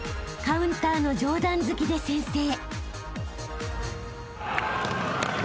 カウンターの上段突きで先制］